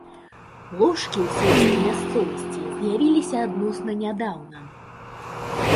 Ложкі ў сельскай мясцовасці з'явіліся адносна нядаўна.